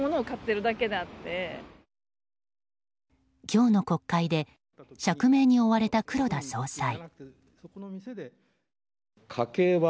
今日の国会で釈明に追われた黒田総裁。